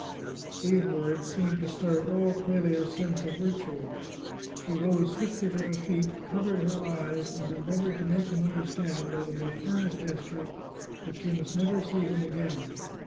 These words seemed to stir all Clelia's sense of virtue. She rose swiftly to her feet, covered her eyes, and endeav oured to make him understand, by the most earnest ges tures, that she must never see him again.